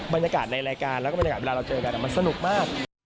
บรรยากาศในรายการแล้วก็บรรยากาศเวลาเราเจอกันมันสนุกมาก